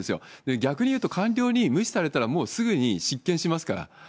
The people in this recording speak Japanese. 逆にいうと、官僚に無視されたら、もうすぐに失権しますから。